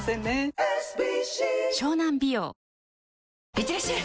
いってらっしゃい！